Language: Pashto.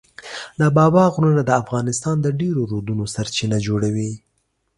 د بابا غرونه د افغانستان د ډېرو رودونو سرچینه جوړوي.